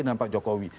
dengan pak jokowi